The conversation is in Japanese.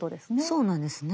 そうなんですね。